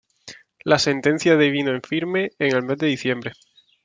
La sentencia devino en firme en el mes de diciembre.